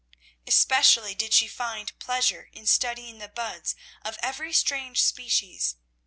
Specially did she find pleasure in studying the buds of every strange species.